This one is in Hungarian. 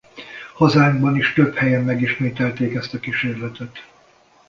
Hazánkban is több helyen megismételték ezt a kísérletet.